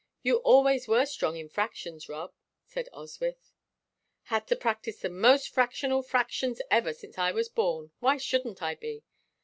"You always were strong in fractions, Rob," said Oswyth. "Had to practise the most fractional fractions ever since I was born why shouldn't I be?